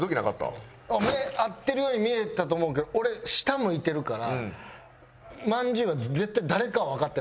目合ってるように見えたと思うけど俺下向いてるからまんじゅうは絶対。